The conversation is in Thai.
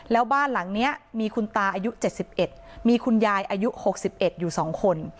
แล้วบ้านหลังนี้มีคุณตาอายุ๗๑มีคุณยายอายุ๖๑อยู่๒คน